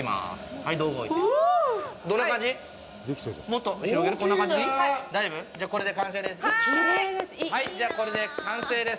はーい！じゃあ、これで完成です。